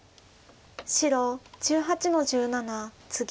白１８の十七ツギ。